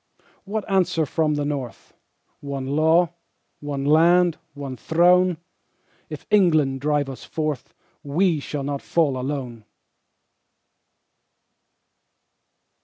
What answer from the North? One Law, one Land, one Throne. If England drive us forth We shall not fall alone!